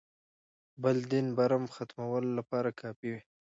بل دین برم ختمولو لپاره کافي وي.